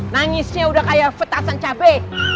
nangisnya udah kaya fetasan cabe